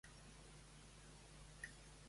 Quan va néixer Teresa Arguyol?